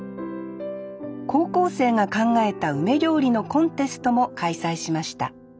高校生が考えた梅料理のコンテストも開催しました